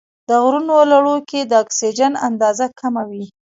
د غرونو لوړو کې د اکسیجن اندازه کمه وي.